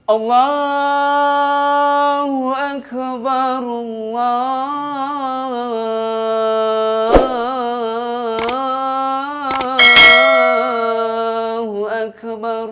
allahu akbar allahu akbar